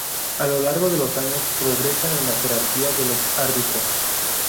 A lo largo de los años, progresa en la jerarquía de los árbitros.